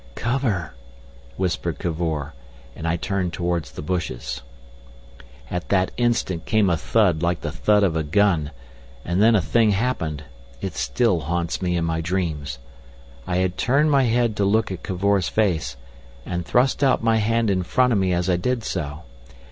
"Cover," whispered Cavor, and I turned towards the bushes. At that instant came a thud like the thud of a gun, and then a thing happened—it still haunts me in my dreams. I had turned my head to look at Cavor's face, and thrust out my hand in front of me as I did so.